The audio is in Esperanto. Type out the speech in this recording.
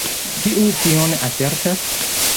Kiu tion asertas?